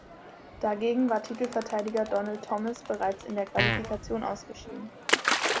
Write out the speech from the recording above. Dagegen war Titelverteidiger Donald Thomas bereits in der Qualifikation ausgeschieden.